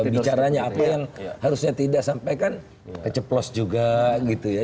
bicaranya apa yang harusnya tidak sampaikan keceplos juga gitu ya